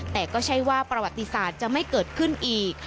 แต่ก็ใช่ว่าประวัติศาสตร์จะไม่เกิดขึ้นอีก